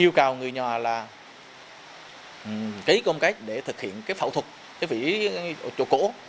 yêu cầu người nhòa là kế công cách để thực hiện phẫu thuật vỉ chỗ cổ